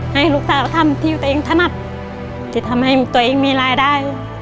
ให้ลูกสาวทำที่ตัวเองถนัดที่ทำให้ตัวเองมีรายได้